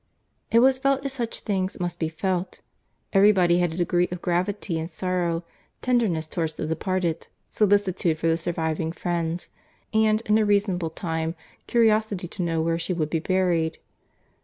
It was felt as such things must be felt. Every body had a degree of gravity and sorrow; tenderness towards the departed, solicitude for the surviving friends; and, in a reasonable time, curiosity to know where she would be buried.